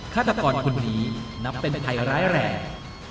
ฆาตกรคุณนี้นำเป็นไทยร้ายแรก